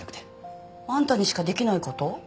あんたにしかできない事？